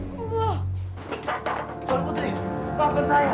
tuan putri maafkan saya